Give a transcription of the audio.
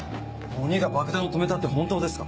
鬼が爆弾を止めたって本当ですか？